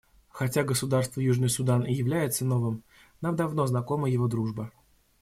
Хотя государство Южный Судан и является новым, нам давно знакома его дружба.